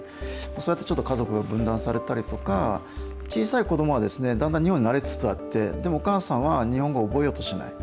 そうやって、ちょっと家族が分断されたりとか、小さい子どもはだんだん日本に慣れつつあって、でもお母さんは、日本語を覚えようとしない。